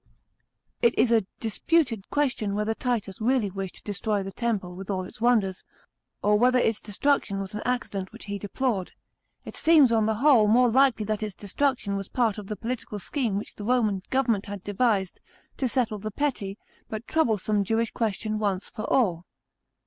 It is a disputed question whether Titus really wished to destroy the Temple with all its wonders, or whether its destruction was an accident which he deplored. It seems, on the whole, more likely that its destruction was part of the political scheme which the Roman government hud devistd, to settle the petty, but troublesome Jewish question once for all.